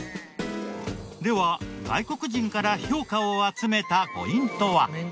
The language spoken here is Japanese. では外国人から評価を集めたポイントは？